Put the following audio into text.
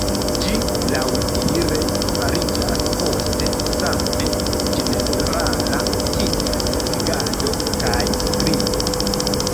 Ĝi laŭdire fariĝas poste same ĝenerala kiel legado kaj skribo.